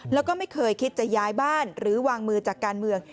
แล้วก็ไม่เคยคิดจะย้ายบ้านหรือวางมือจากการเมือง